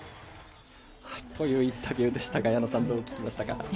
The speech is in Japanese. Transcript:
インタビューでしたが矢野さん、どう聞きましたか？